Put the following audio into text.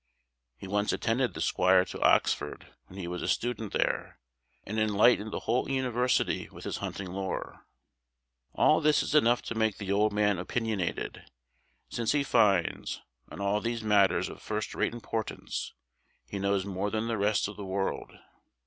He once attended the squire to Oxford when he was a student there, and enlightened the whole university with his hunting lore. All this is enough to make the old man opinionated, since he finds, on all these matters of first rate importance, he knows more than the rest of the world.